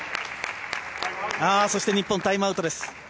日本、タイムアウトです。